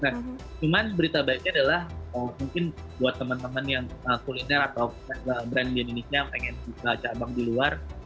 cuman berita baiknya adalah mungkin buat teman teman yang kuliner atau brand di indonesia yang pengen buka cabang di luar